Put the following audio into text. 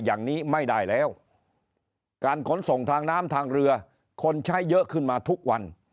อย่างนี้ไม่ได้แล้วการขนส่งทางน้ำทางเรือคนใช้เยอะขึ้นมาทุกวัน